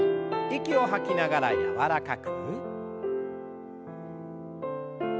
息を吐きながら柔らかく。